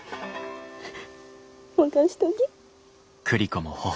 任しとき。